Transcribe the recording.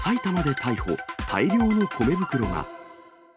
大量の米袋が。